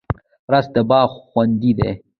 رس د باغ خوند دی